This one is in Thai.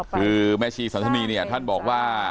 คือแม่ชีสันธนีเนี่ยท่านบอกว่า